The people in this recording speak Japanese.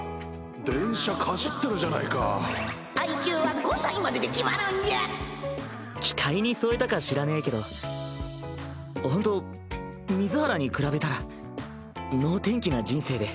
電車かじってるじゃないかＩＱは５歳までで決まるんじゃ期待に沿えたか知らねぇけど本当水原に比べたら能天気な人生で。